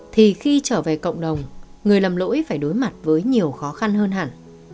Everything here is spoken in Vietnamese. thì khi trở về cộng đồng người lầm lỗi phải đối mặt với nhiều khó khăn hơn hẳn